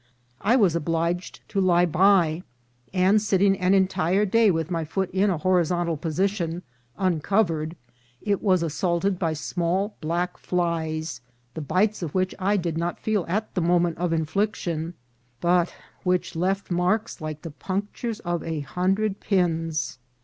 I was obliged to lie by, and, sitting an entire day with my foot in a horizontal position, uncovered, it was assaulted by small black flies, the bites of which I did not feel at the moment of infliction, but which left marks like the punctures of a hundred pins.